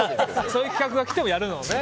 そういう企画が来てもやるのね。